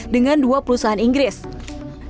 dengan dua puluh perusahaan indonesia